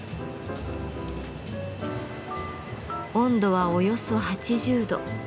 温度はおよそ８０度。